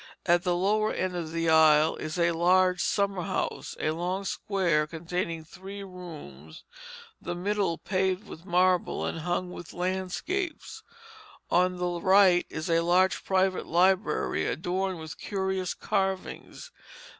At the lower end of the aisle is a large summer house, a long square containing three rooms, the middle paved with marble and hung with landscapes. On the right is a large private library adorned with curious carvings.